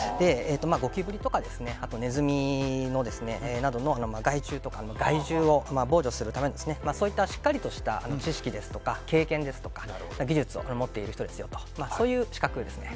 ゴキブリとかネズミなどの害虫とか害獣を防御するためのそういったしっかりとした知識や経験や技術を持っている人ですという資格ですね。